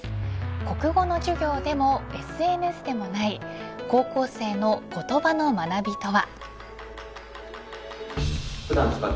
国語の授業でもＳＮＳでもない高校生の言葉の学びとは。